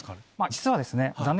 実はですね。